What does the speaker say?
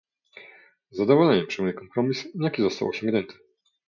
Z zadowoleniem przyjmuję kompromis, jaki został osiągnięty